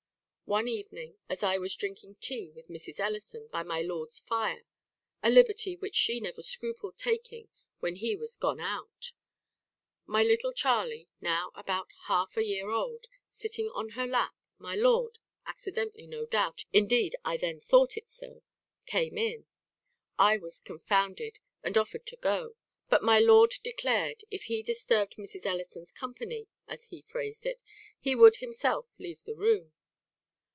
"One evening, as I was drinking tea with Mrs. Ellison by my lord's fire (a liberty which she never scrupled taking when he was gone out), my little Charley, now about half a year old, sitting in her lap, my lord accidentally, no doubt, indeed I then thought it so came in. I was confounded, and offered to go; but my lord declared, if he disturbed Mrs. Ellison's company, as he phrased it, he would himself leave the room.